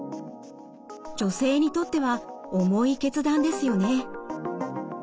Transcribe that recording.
女性にとっては重い決断ですよね。